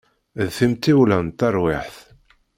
D timṭiwla n terwiḥt.